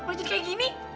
berada kayak gini